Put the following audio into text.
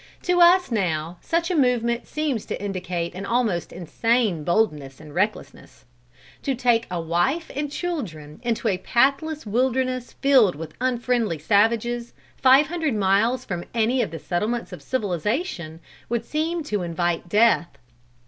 To us now, such a movement seems to indicate an almost insane boldness and recklessness. To take wife and children into a pathless wilderness filled with unfriendly savages, five hundred miles from any of the settlements of civilization, would seem to invite death.